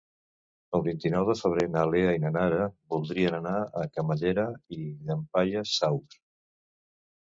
El vint-i-nou de febrer na Lea i na Nara voldrien anar a Camallera i Llampaies Saus.